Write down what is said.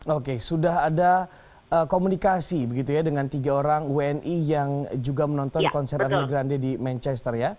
oke sudah ada komunikasi begitu ya dengan tiga orang wni yang juga menonton konser anugrande di manchester ya